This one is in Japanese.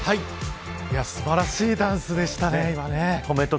素晴らしいダンスでしたね。